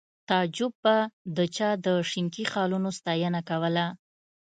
تعجب به د چا د شینکي خالونو ستاینه کوله